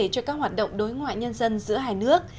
cho các hoạt động đối ngoại nhân dân giữa hai nước